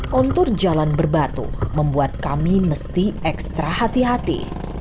kontur jalan berbatu membuat kami mesti ekstra hati hati